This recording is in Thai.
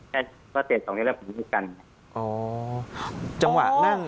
กาเตสต่อให้แล้วผมไม่กัน